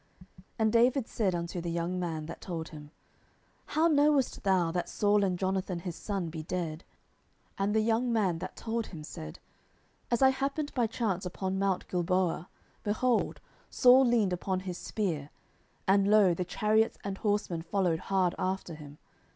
10:001:005 And David said unto the young man that told him, How knowest thou that Saul and Jonathan his son be dead? 10:001:006 And the young man that told him said, As I happened by chance upon mount Gilboa, behold, Saul leaned upon his spear; and, lo, the chariots and horsemen followed hard after him.